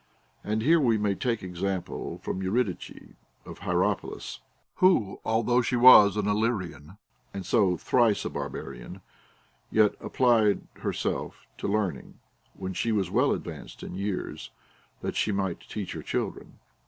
And here we may take example from Eurydice of Hierapolis, who, although she was an Illyrian, and so thrice a barbarian, yet applied herself to learning ΛνΙιοη she was well advanced in years, that she miiilit teach her children.